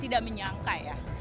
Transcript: tidak menyangka ya